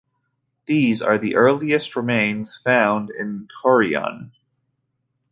These are the earliest remains found in Kourion.